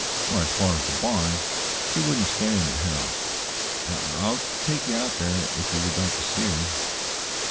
"As far as the barn. She wouldn't stay in the house. I I'll take you out there, if you would like to see her."